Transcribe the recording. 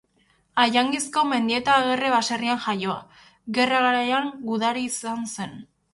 Ajangizko Mendieta-Agerre baserrian jaioa, Gerra garaian gudari izan zen.